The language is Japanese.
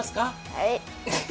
はい。